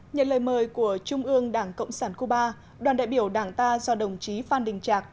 nhận lời mời của trung ương đảng cộng sản cuba đoàn đại biểu đảng ta do đồng chí phan đình trạc